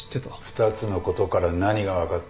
２つのことから何が分かった？